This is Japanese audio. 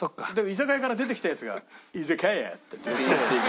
居酒屋から出てきたヤツが「イザカヤ！」って言って。